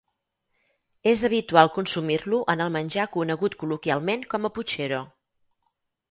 És habitual consumir-lo en el menjar conegut col·loquialment com a putxero.